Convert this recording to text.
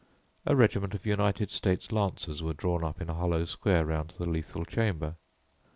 A regiment of United States lancers were drawn up in a hollow square round the Lethal Chamber.